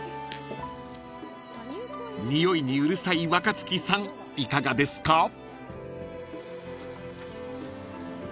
［においにうるさい若槻さんいかがですか？］